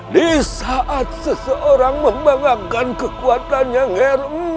di saat seseorang membanggakan kekuatannya nger